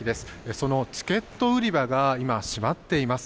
そのチケット売り場が今、閉まっています。